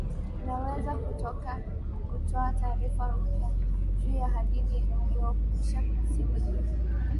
unaweza kutaka kutoa tarifa upya juu ya hadithi uliyokwisha isimulia